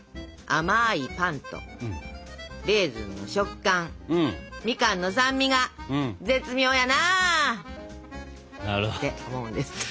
「甘いパンとレーズンの食感みかんの酸味が絶妙やなあ！」って思うんですって。